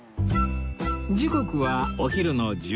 時刻はお昼の１２時